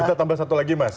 kita tambah satu lagi mas